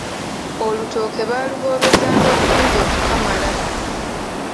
Olutooke baaluboobezanga bulungi okukamala.